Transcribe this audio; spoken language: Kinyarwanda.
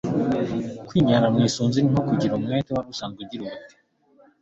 kwinyara mu isunzu ni nko kugira umwete warusanzwe ugira ubute